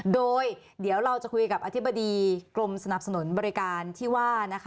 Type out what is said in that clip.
โดยเดี๋ยวเราจะคุยกับอธิบดีกรมสนับสนุนบริการที่ว่านะคะ